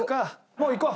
もういこう！